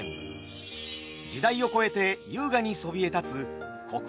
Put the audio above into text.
時代を超えて優雅にそびえ立つ国宝姫路城。